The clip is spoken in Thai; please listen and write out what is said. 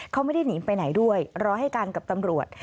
เขาไม่ได้หนีไปไหนด้วยรอให้กันกับตำรวจ